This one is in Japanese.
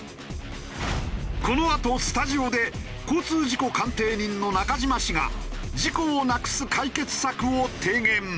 このあとスタジオで交通事故鑑定人の中島氏が事故をなくす解決策を提言！